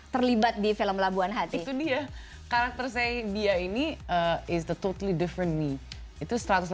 terlibat di film labuan hati itu dia karakter saya dia ini is the totally different me itu